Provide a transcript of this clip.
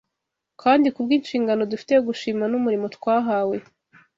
Kandi kubw’inshingano dufite yo gushima n’umurimo twahawe,